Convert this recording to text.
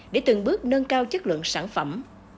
để từng bước nâng cao chất lượng sản phẩm